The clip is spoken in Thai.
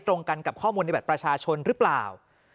ตรงกันกับข้อมูลในบัตรประชาชนหรือเปล่า